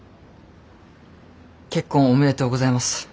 結婚おめでとうございます。